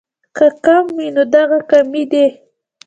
کۀ کم وي نو دغه کمے دې